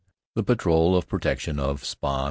The patrol of protection of Spa.